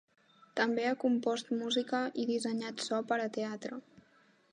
També ha compost música i dissenyat so per a teatre.